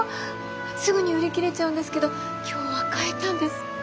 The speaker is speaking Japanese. すぐに売り切れちゃうんですけど今日は買えたんです。